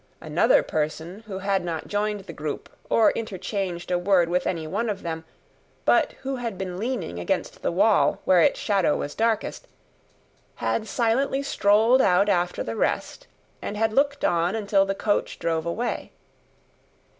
Another person, who had not joined the group, or interchanged a word with any one of them, but who had been leaning against the wall where its shadow was darkest, had silently strolled out after the rest, and had looked on until the coach drove away.